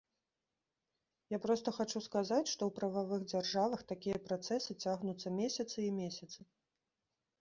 Я проста хачу сказаць, што ў прававых дзяржавах такія працэсы цягнуцца месяцы і месяцы.